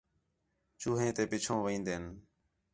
چوہیں تے پِچھوں وین٘دِن